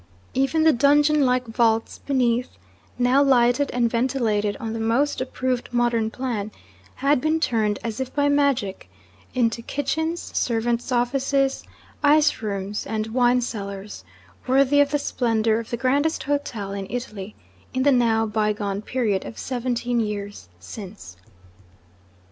Even the dungeon like vaults beneath, now lighted and ventilated on the most approved modern plan, had been turned as if by magic into kitchens, servants' offices, ice rooms, and wine cellars, worthy of the splendour of the grandest hotel in Italy, in the now bygone period of seventeen years since.